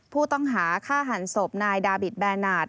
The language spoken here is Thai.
ผู้ต้องหาฆ่าหันศพนายดาบิตแบรนาท